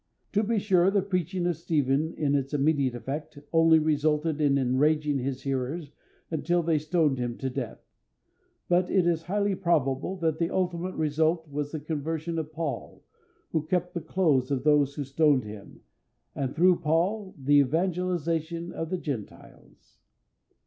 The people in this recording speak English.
To be sure, the preaching of Stephen in its immediate effect only resulted in enraging his hearers until they stoned him to death; but it is highly probable that the ultimate result was the conversion of Paul, who kept the clothes of those who stoned him, and through Paul the evangelisation of the Gentiles.